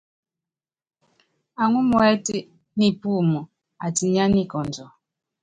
Aŋɔ́ muɛ́t nipúum atinyá nikɔndiɔ.